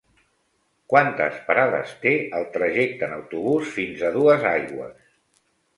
Quantes parades té el trajecte en autobús fins a Duesaigües?